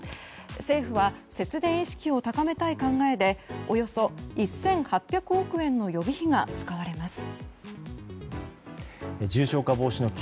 政府は節電意識を高めたい考えでおよそ１８００億円の予備費が使われます。